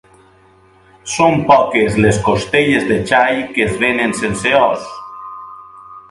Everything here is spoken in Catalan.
Són poques les costelles de xai que es venen sense os.